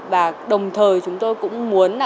và đồng thời chúng tôi cũng muốn là tạo cho các bạn